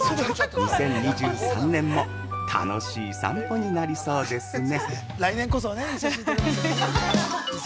◆２０２３年も楽しい散歩になりそうですね。